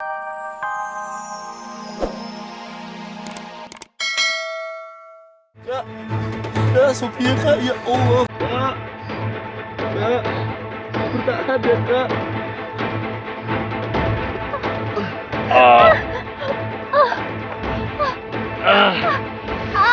tapi kananysical dam tyson kalau manga akan ini bisa kok apa